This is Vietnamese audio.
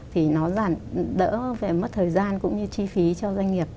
thì nó giảm đỡ về mất thời gian cũng như chi phí cho doanh nghiệp